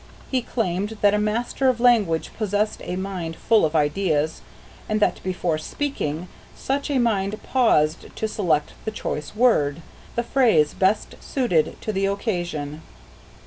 He claimed that a master of language possessed a mind full of ideas, and that before speaking, such a mind paused to select the choice word the phrase best suited to the occasion.